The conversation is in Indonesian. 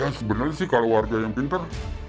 ya sebenarnya sih kalau warga yang pinter